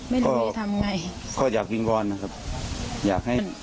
ไม่รู้นี่ทำง่าย